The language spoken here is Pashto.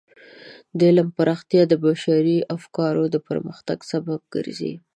د علم پراختیا د بشري افکارو د پرمختګ سبب ګرځي.